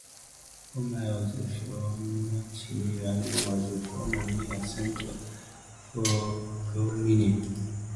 Four miles from Lough Neagh, it was formerly a centre for coal mining.